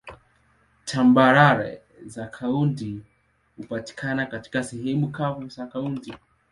Tambarare za kaunti hupatikana katika sehemu kavu za kaunti.